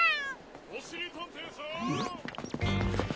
おしりたんていさん！